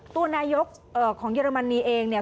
ตัวนายกของเยอรมนีเองเนี่ย